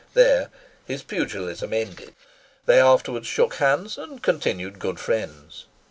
There his pugilism ended; they afterwards shook hands, and continued good friends.